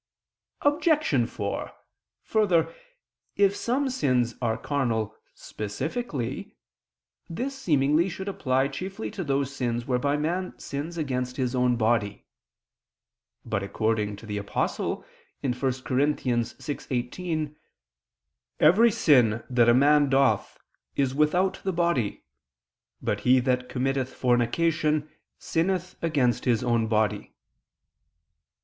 Obj. 4: Further, if some sins are carnal specifically, this, seemingly, should apply chiefly to those sins whereby man sins against his own body. But, according to the Apostle (1 Cor. 6:18), "every sin that a man doth, is without the body: but he that committeth fornication, sinneth against his own body."